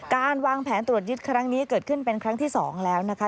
การวางแผนตรวจยึดครั้งนี้เกิดขึ้นเป็นครั้งที่๒แล้วนะคะ